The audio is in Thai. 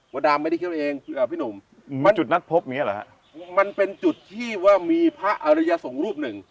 วัดรามไม่ได้คิดเอาเองพี่หนุ่มมันเป็นจุดที่ว่ามีพระอริยสงฆ์รูปหนึ่ง